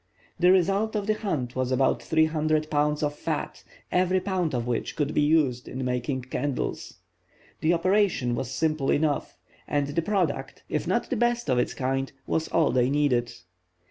The result of the hunt was about 300 pounds of fat, every pound of which could be used in making candles. The operation was simple enough, and the product, if not the best of its kind, was all they needed.